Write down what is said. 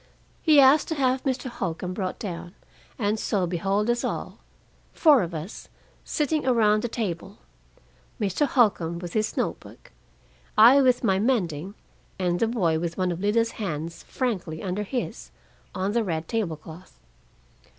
He asked to have Mr. Holcombe brought down, and so behold us all, four of us, sitting around the table Mr. Holcombe with his note book, I with my mending, and the boy with one of Lida's hands frankly under his on the red table cloth.